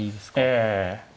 ええ。